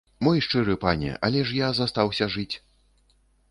Мой шчыры пане, але ж я астаўся жыць.